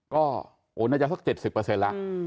ก็โอน่าจะสัก๗๐ละ